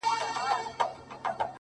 o هله تياره ده په تلوار راته خبري کوه؛